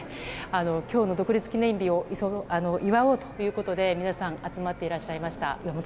今日の独立記念日を祝おうということで皆さん集まっていらっしゃいました。